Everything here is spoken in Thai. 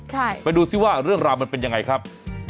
ใช่ไปดูซิว่าเรื่องราวมันเป็นยังไงครับ